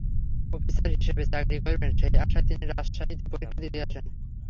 Officer হিসেবে চাকরি করবেন, সেই আশায় তিনি রাজশাহীতে পরীক্ষা দিতে আসেন।